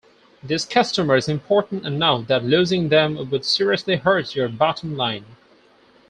This customer is important enough that losing them would seriously hurt your bottom line.